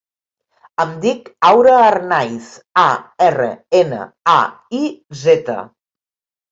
Em dic Aura Arnaiz: a, erra, ena, a, i, zeta.